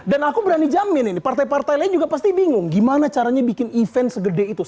dan aku berani jamin ini partai partai lain juga pasti bingung gimana caranya bikin event segede itu